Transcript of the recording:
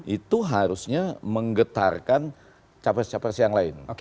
itu harusnya menggetarkan capres capres yang lain